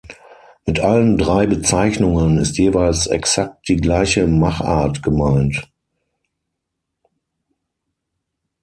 Mit allen drei Bezeichnungen ist jeweils exakt die gleiche Machart gemeint.